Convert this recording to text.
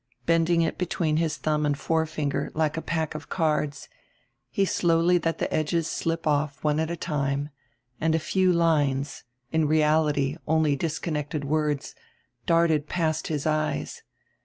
Bending it between Iris thumb and forefinger, like a pack of cards, he slowly let tire edges slip off one at a time, and a few lines, in reality only discon nected words, darted past his eyes.